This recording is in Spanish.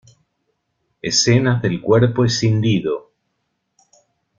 Escenas del cuerpo escindido.